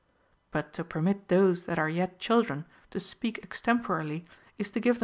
But to permit those that are yet children to speak extemporally is to give them * Demosth. in Mid.